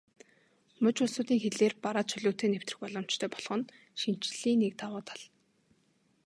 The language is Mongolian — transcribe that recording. Муж улсуудын хилээр бараа чөлөөтэй нэвтрэх боломжтой болох нь шинэчлэлийн нэг давуу тал.